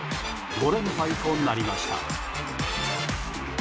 ５連敗となりました。